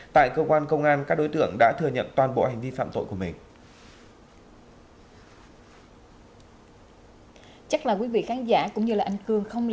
tại cơ quan công an các đối tượng đã thừa nhận toàn bộ hành vi phạm tội của mình